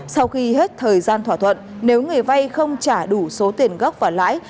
sau khi hết thời gian thỏa thuận nếu người vay không trả đủ số tiền gốc và lãi